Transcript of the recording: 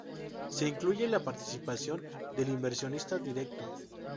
Se incluye la participación del inversionista directo.